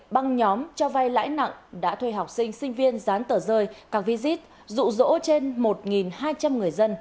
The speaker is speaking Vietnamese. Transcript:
băng nhóm cho vay lãi nặng đã thuê học sinh sinh viên gián tờ rơi các visit dụ dỗ trên một hai trăm linh người dân